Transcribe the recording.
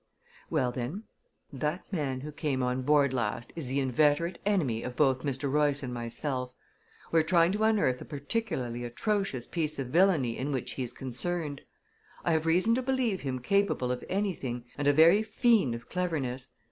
"Well, then, that man who came on board last is the inveterate enemy of both Mr. Royce and myself. We're trying to unearth a particularly atrocious piece of villainy in which he's concerned. I have reason to believe him capable of anything, and a very fiend of cleverness.